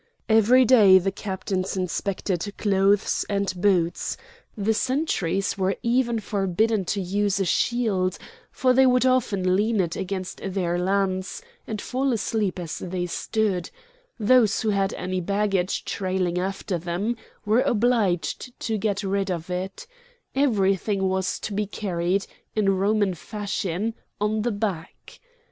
Every day the captains inspected clothes and boots; the sentries were even forbidden to use a shield, for they would often lean it against their lance and fall asleep as they stood; those who had any baggage trailing after them were obliged to get rid of it; everything was to be carried, in Roman fashion, on the back.